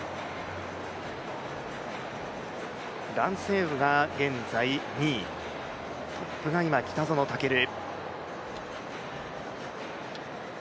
蘭星宇が現在２位、トップが今、北園丈琉。